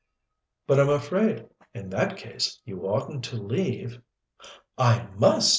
"But I'm afraid in that case you oughtn't to leave " "I must!